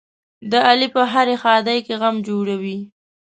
علي په هره ښادۍ کې غم جوړوي.